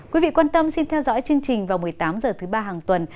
quý vị quan tâm xin theo dõi chương trình vào một mươi tám h thứ ba hàng tuần